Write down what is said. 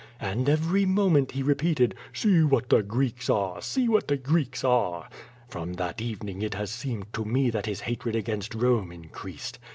And every moment, he repeated: "See what the Greeks are! See what the Greeks are.'' From that evening it has seemed to me that his hatred against Rome increased.